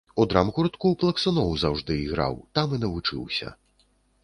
У драмгуртку плаксуноў заўжды іграў, там і навучыўся.